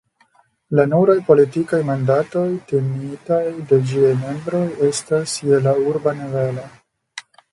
La nuraj politikaj mandatoj tenitaj de ĝiaj membroj estas je la urba nivelo.